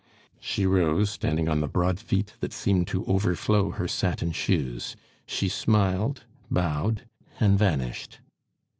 She rose, standing on the broad feet that seemed to overflow her satin shoes; she smiled, bowed, and vanished.